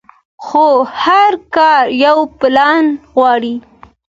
خو هر کار يو پلان غواړي.